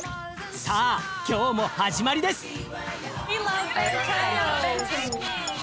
さあ今日も始まりです！